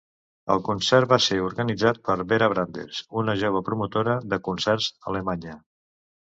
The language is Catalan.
El concert va ser organitzat per Vera Brandes, una jove promotora de concerts alemanya.